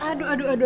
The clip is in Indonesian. aduh aduh aduh